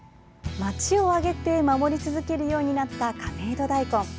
街を挙げて守り続けるようになった亀戸だいこん。